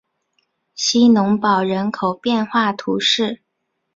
希农堡人口变化图示